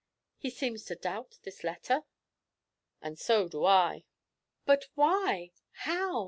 'He seems to doubt this letter?' 'And so do I.' 'But why? how?